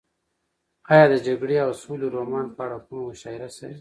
ایا د جګړې او سولې رومان په اړه کومه مشاعره شوې؟